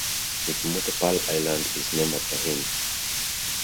Mikimoto Pearl Island is named after him.